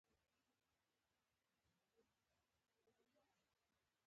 ـ چېرته؟